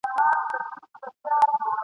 د سباوون په انتظار چي ومه !.